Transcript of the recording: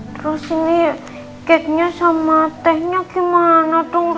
terus ini cake nya sama teh nya gimana tuh